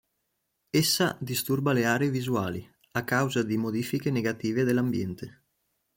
Essa disturba le aree visuali a causa di modifiche negative dell'ambiente.